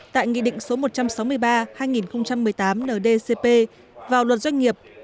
tại nghị định số một trăm sáu mươi ba hai nghìn một mươi tám ndcp vào luật doanh nghiệp